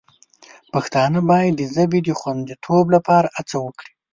پښتانه باید د ژبې د خوندیتوب لپاره هڅه وکړي.